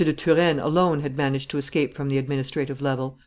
de Turenne alone had managed to escape from the administrative level.